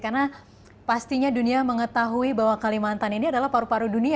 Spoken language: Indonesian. karena pastinya dunia mengetahui bahwa kalimantan ini adalah paru paru dunia